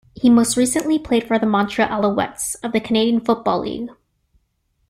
He most recently played for the Montreal Alouettes of the Canadian Football League.